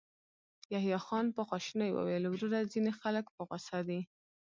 يحيی خان په خواشينۍ وويل: وروره، ځينې خلک په غوسه دي.